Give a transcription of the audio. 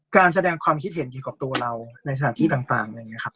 การแสดงความคิดเห็นเกี่ยวกับตัวเราในสถานที่ต่าง